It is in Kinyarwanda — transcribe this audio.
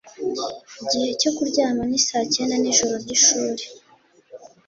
igihe cyo kuryama ni saa cyenda nijoro ryishuri.